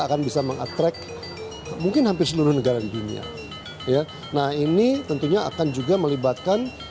akan bisa mengattract mungkin hampir seluruh negara di dunia ya nah ini tentunya akan juga melibatkan